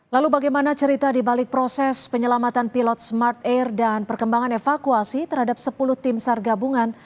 lalu bagaimana cerita di balik proses penyelamatan pilot smart air dan perkembangan evakuasi terhadap sepuluh tim sar gabungan